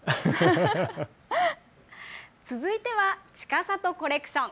続いてはちかさとコレクション。